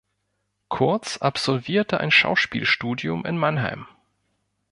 Kurz absolvierte ein Schauspielstudium in Mannheim.